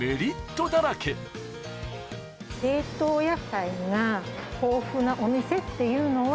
冷凍野菜が豊富なお店っていうのは。